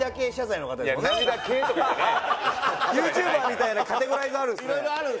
ＹｏｕＴｕｂｅｒみたいなカテゴライズあるんですね。